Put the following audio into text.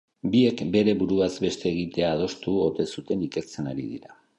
Biek bere buruaz beste egitea adostu ote zuten ikertzen ari dira.